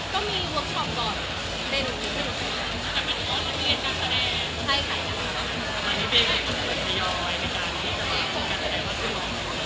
ก็มีเวิร์คชอปก่อนได้รู้จักพี่นะ